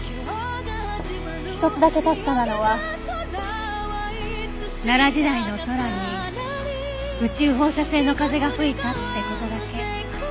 一つだけ確かなのは奈良時代の空に宇宙放射線の風が吹いたって事だけ。